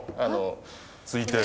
ついてる。